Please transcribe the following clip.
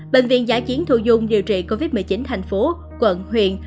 bệnh viện giã chiến thu dung điều trị covid một mươi chín thành phố quận huyện